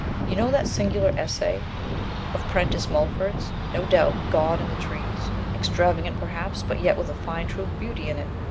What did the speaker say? "You know that singular essay of Prentice Mulford's, no doubt 'God in the Trees' extravagant perhaps, but yet with a fine true beauty in it?